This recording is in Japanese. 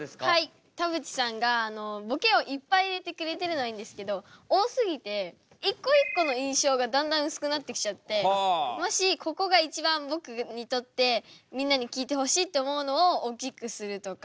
田渕さんがボケをいっぱい入れてくれてるのはいいんですけど多すぎて一個一個の印象がだんだん薄くなってきちゃってもしここが一番僕にとってみんなに聞いてほしいって思うのを大きくするとか。